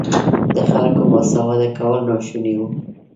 د خلکو باسواده کول ناشوني وو.